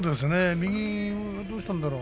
右、どうしたんだろう？